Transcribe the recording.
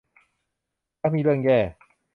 มักมีเรื่องแย่